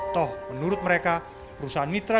toh menurut mereka perusahaan mitra